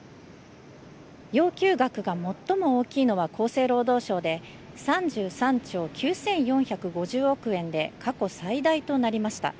要求額が最も大きいのは厚生労働省で、３３兆９４５０億円で過去最大となりました。